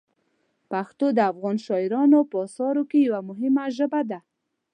پښتو د افغان شاعرانو په اثارو کې یوه مهمه ژبه ده.